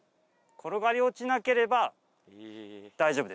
転がり落ちなければ、大丈夫